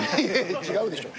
違うでしょ。